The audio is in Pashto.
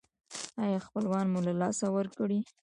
ایا خپلوان مو له لاسه ورکړي؟